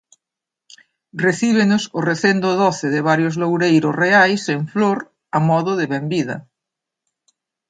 Recíbenos o recendo doce de varios loureiros reais en flor a modo de benvida.